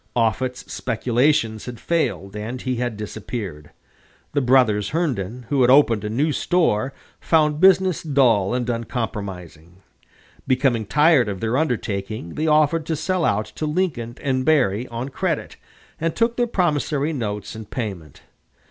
Offutt's speculations had failed, and he had disappeared. The brothers Herndon, who had opened a new store, found business dull and unpromising. Becoming tired of their undertaking, they offered to sell out to Lincoln and Berry on credit, and took their promissory notes in payment.